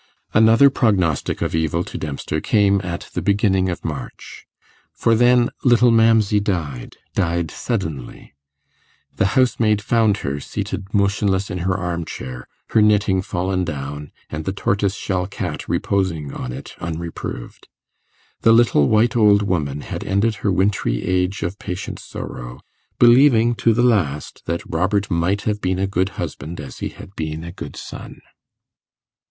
Another prognostic of evil to Dempster came at the beginning of March. For then little 'Mamsey' died died suddenly. The housemaid found her seated motionless in her arm chair, her knitting fallen down, and the tortoise shell cat reposing on it unreproved. The little white old woman had ended her wintry age of patient sorrow, believing to the last that 'Robert might have been a good husband as he had been a good son.